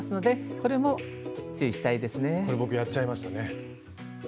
これ僕やっちゃいましたね。